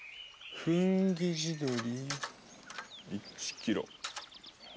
フンギ地鶏１キロ。